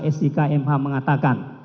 perdisambo s i k m h mengatakan